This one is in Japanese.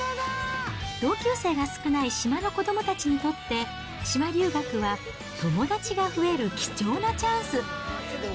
同級生が少ない島の子どもたちにとって、島留学は友達が増える貴重なチャンス。